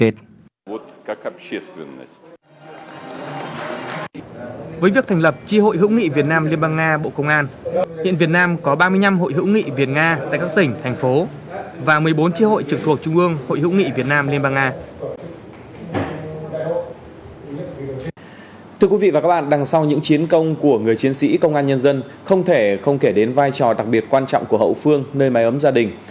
thưa quý vị và các bạn đằng sau những chiến công của người chiến sĩ công an nhân dân không thể không kể đến vai trò đặc biệt quan trọng của hậu phương nơi máy ấm gia đình